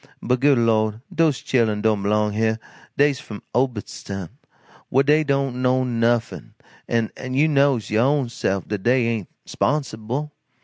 But good Lord, dose chilen don't b'long heah, dey's f'm Obedstown whah dey don't know nuffin, an' you knows, yo' own sef, dat dey ain't 'sponsible.